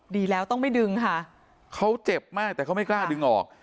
ดีแล้วต้องไม่ดึงค่ะเขาเจ็บมากแต่เขาไม่กล้าดึงออก